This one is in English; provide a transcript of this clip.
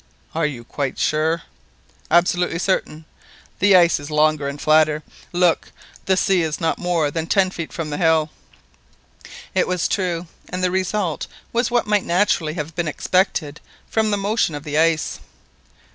"Are you quite sure?" "Absolutely certain. The ice is longer and flatter. Look, the sea la not more than ten feet from the hill!" It was true, and the result was what might naturally have been expected from the motion of the ice.